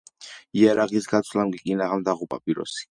იარაღის გაცვლამ კი კინაღამ დაღუპა პიროსი.